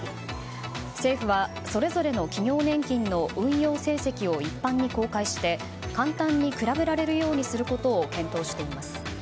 政府は、それぞれの企業年金の運用成績を一般に公開して、簡単に比べられるようにすることを検討しています。